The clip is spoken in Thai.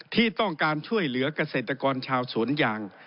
ที่ต้องการช่วยเหลือกเกษตรกรชาวสวนยาง